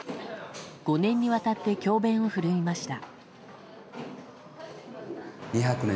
５年にわたって教鞭を振るいました。